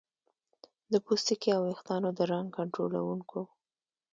د پوستکي او ویښتانو د رنګ کنټرولونکو